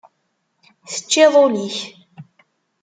Teččiḍ ul-ik.